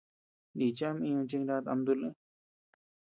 Nichi ama íñuu chi kanát ama tuʼu lï.